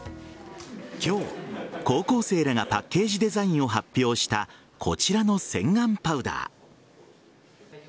今日、高校生らがパッケージデザインを発表したこちらの洗顔パウダー。